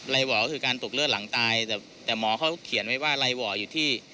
หว่อก็คือการตกเลือดหลังตายแต่หมอเขาเขียนไว้ว่าไวห่ออยู่ที่